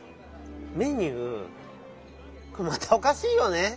メニューまたおかしいよね？